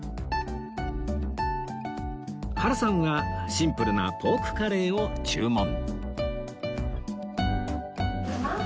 原さんはシンプルなポークカレーを注文